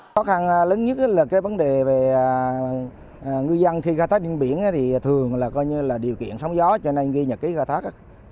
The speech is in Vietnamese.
khó khăn lớn nhất là cái vấn đề về ngư dân khi khai thác điên biển thì thường là điều kiện sóng gió cho nên ghi nhật ký khai thác